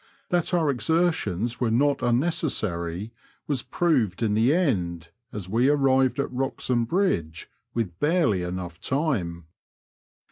That our exertions were not unnecessary was proved in the end, as we arrived at Wrox ham Bridge with harely enough time.